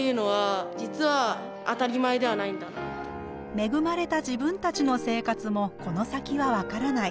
「恵まれた自分たちの生活もこの先は分からない。